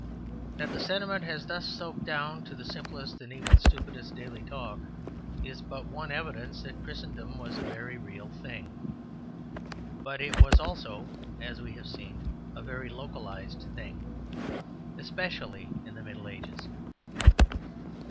That the sentiment has thus soaked down to the simplest and even stupidest daily talk is but one evidence that Christendom was a very real thing. But it was also, as we have seen, a very localized thing, especially in the Middle Ages.